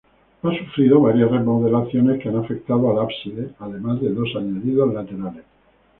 Ha sufrido varias remodelaciones que han afectado al ábside además de dos añadidos laterales.